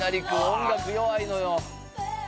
音楽弱いのよ。